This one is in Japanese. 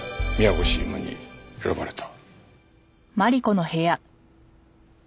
宮越優真に選ばれた。